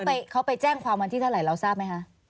เขาไปแจ้งความวันที่เท่าไหร่เราทราบไหมคะ